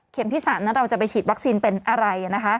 เข็มที่๓เราจะไปฉีดวัคซีนเป็นอะไร